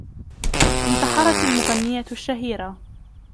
انتحرت المغنية الشهيرة.